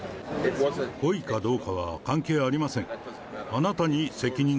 故意かどうかは関係ありません。